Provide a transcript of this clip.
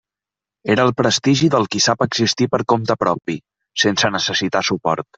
Era el prestigi del qui sap existir per compte propi, sense necessitar suport.